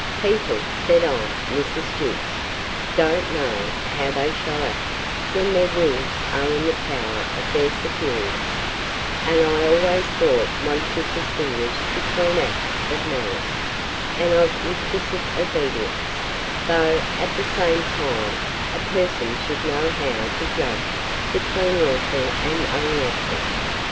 People, said I, Mrs. Jewkes, don't know how they shall act, when their wills are in the power of their superiors; and I always thought one should distinguish between acts of malice, and of implicit obedience; though, at the same time, a person should know how to judge between lawful and unlawful.